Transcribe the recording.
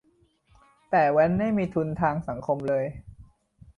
แต่แว้นไม่มีทุนทางสังคมเลย